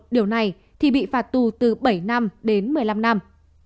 điều này thì bị phạt tù từ bảy năm đến một mươi năm năm